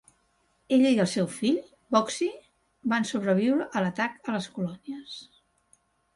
Ella i el seu fill, Boxey, van sobreviure a l'atac a les colònies.